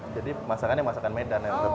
jadi masakannya masakan medan